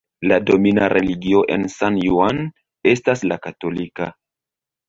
La domina religio en San Juan estas la katolika.